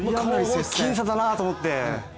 僅差だなと思って。